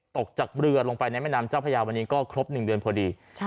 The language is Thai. ตกจากเรือลงไปในแม่น้ำเจ้าพญาวันนี้ก็ครบ๑เดือนพอดี